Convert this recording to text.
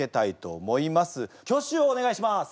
挙手をお願いします。